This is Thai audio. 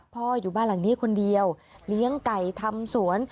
อยู่บ้านหลังนี้คนเดียวเลี้ยงไก่ทำสวน